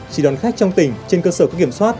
chỉ đón khách trong tỉnh trên cơ sở các kiểm soát